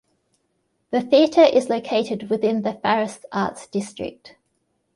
The theater is located within the Farris Arts District.